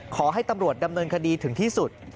ขอให้ตำรวจดำเนินคดีถึงที่สุด